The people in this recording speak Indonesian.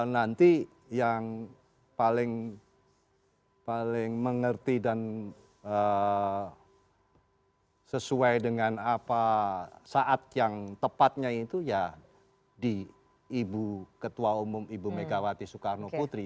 nanti yang paling mengerti dan sesuai dengan apa saat yang tepatnya itu ya di ibu ketua umum ibu megawati soekarno putri